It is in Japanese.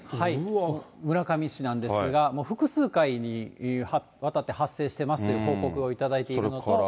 村上市なんですが、もう複数回にわたって発生してますと報告を頂いているのと。